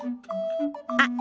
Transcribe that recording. あっ